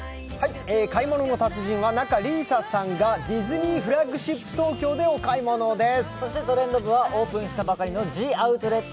「買い物の達人」は仲里依紗さんがディズニーストアフラッグシップ東京でお買い物です。